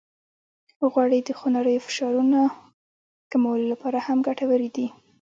غوړې د خونړیو فشارونو د کمولو لپاره هم ګټورې دي.